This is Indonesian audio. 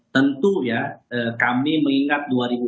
tentu ya kami mengingat dua ribu empat